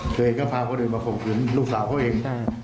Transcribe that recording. เกือบลี้ก็พาคนอื่นมาคุมคุมลูกสาวเค้าเอง